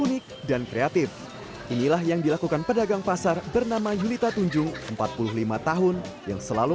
unik dan kreatif inilah yang dilakukan pedagang pasar bernama yulita tunjung empat puluh lima tahun yang selalu